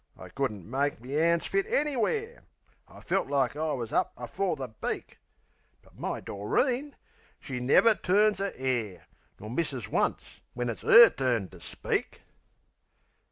I couldn't make me 'ands fit anywhere! I felt like I wus up afore the Beak! But my Doreen she never turns a 'air, Nor misses once when it's 'er turn to speak.